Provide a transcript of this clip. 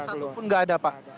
satupun nggak ada pak